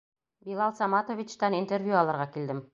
Билал Саматовичтан интервью алырға килдем.